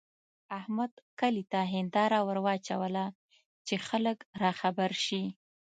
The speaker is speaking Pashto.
احمد کلي ته هېنداره ور واچوله چې خلګ راخبر شي.